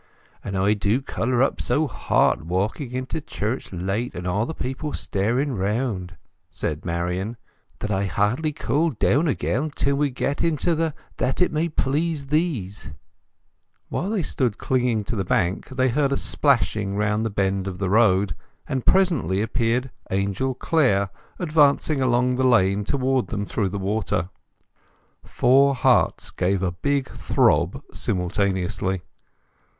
"And I do colour up so hot, walking into church late, and all the people staring round," said Marian, "that I hardly cool down again till we get into the That it may please Thees." While they stood clinging to the bank they heard a splashing round the bend of the road, and presently appeared Angel Clare, advancing along the lane towards them through the water. Four hearts gave a big throb simultaneously.